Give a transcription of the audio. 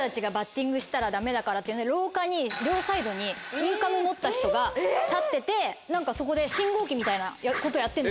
だからっていうんで廊下に両サイドにインカム持った人が立っててそこで信号機みたいなことやってんですよ。